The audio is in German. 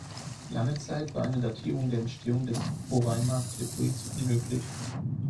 Lange Zeit war eine Datierung der Entstehung des Roraima-Tepuis unmöglich.